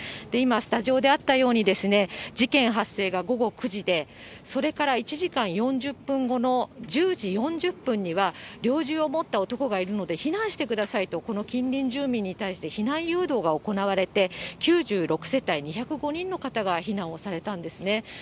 今、スタジオであったように、事件発生が午後９時で、それから１時間４０分後の１０時４０分には、猟銃を持った男がいるので避難してくださいと、この近隣住民に対して避難誘導が行われて、９６世帯２０５人の方が避難をされたんですね。